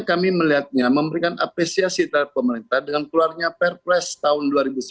kami melihatnya memberikan apresiasi terhadap pemerintah dengan keluarnya perpres tahun dua ribu sembilan belas